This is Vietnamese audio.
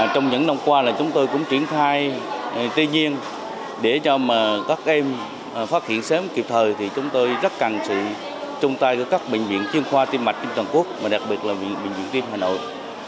trong những năm qua là chúng tôi cũng triển khai tự nhiên để cho các em phát hiện sớm kịp thời thì chúng tôi rất cần sự trung tài của các bệnh viện chiên khoa tim mạch trên toàn quốc và đặc biệt là bệnh viện tim hà nội